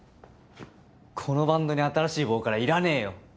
このバンドに新しいボーカルはいらねえよ。